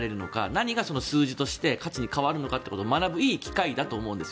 何が数字として価値に変わるのかってことを学ぶいい機会だと思います。